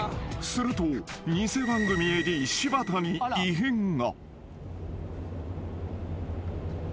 ［すると偽番組ＡＤ柴田に異変が］